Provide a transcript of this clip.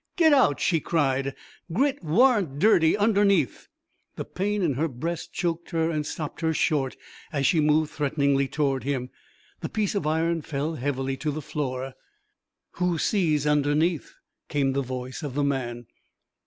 "Get out!" she cried, "Grit warn't dirty underneath!" The pain in her breast choked her and stopped her short as she moved threateningly toward him. The piece of iron fell heavily to the floor. "Who sees underneath?" came the voice of the man.